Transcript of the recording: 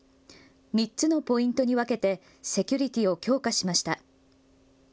３つのポイントに分けてセキュリティーを強化しました。